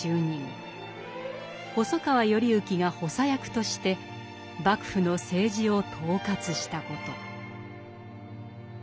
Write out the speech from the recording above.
細川頼之が補佐役として幕府の政治を統轄したこと。